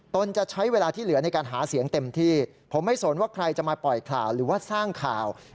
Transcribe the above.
จะใช้เวลาที่เหลือในการหาเสียงเต็มที่ผมไม่สนว่าใครจะมาปล่อยข่าวหรือว่าสร้างข่าว